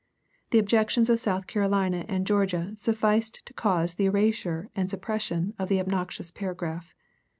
The objections of South Carolina and Georgia sufficed to cause the erasure and suppression of the obnoxious paragraph.